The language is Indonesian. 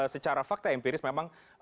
secara fakta empiris memang